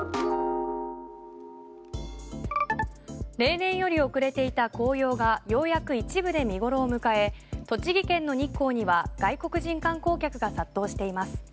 例年より遅れていた紅葉がようやく一部で見頃を迎え栃木県の日光には外国人観光客が殺到しています。